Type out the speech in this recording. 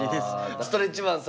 ストレッチマンさん